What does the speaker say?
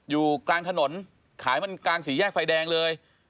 อยู่กลางถนนขายมันกลางสี่แยกไฟแดงเลย